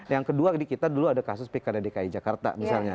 yang kedua di kita dulu ada kasus pkd dki jakarta misalnya